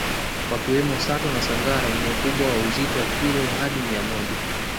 wakiwemo Sato na Sangara wenye ukubwa wa uzito wa kilo hadi mia moja